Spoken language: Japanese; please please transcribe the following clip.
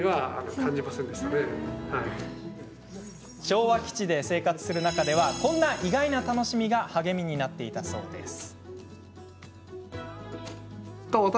昭和基地で生活する中ではこんな意外な楽しみが励みになっていたそうです。